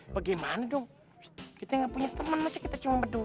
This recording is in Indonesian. bagaimana dong kita nggak punya teman masih kita cuma berdua